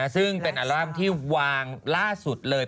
ซึ่งเป็นอัลบั้มที่วางล่าสุดเลย